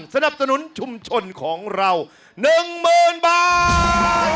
สนับสนุนชุมชนของเรา๑๐๐๐บาท